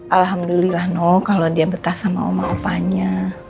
alhamdulillah noh kalo dia berkas sama oma omanya